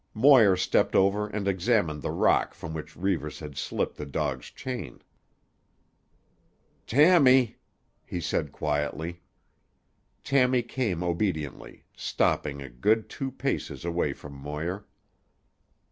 Moir stepped over and examined the rock from which Reivers had slipped the dog's chain. "Tammy," he said quietly. Tammy came obediently, stopping a good two paces away from Moir.